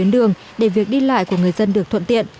đường để việc đi lại của người dân được thuận tiện